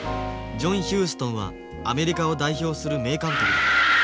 ジョン・ヒューストンはアメリカを代表する名監督だ。